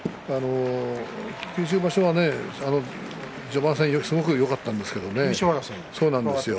九州場所は序盤戦すごくよかったんですけどね。